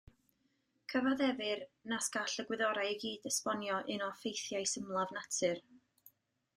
Cyfaddefir nas gall y gwyddorau i gyd esbonio un o ffeithiau symlaf natur.